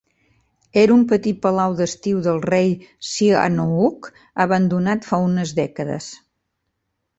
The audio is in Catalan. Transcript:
Era un petit palau d'estiu del rei Sihanouk, abandonat fa unes dècades.